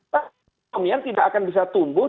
perekonomian tidak akan bisa tumbuh